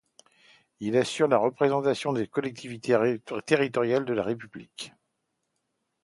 Il assure la représentation des collectivités territoriales de la République.